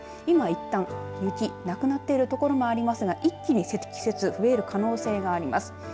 今、いったん雪なくなってる所もありますが一気に積雪増える可能性があります。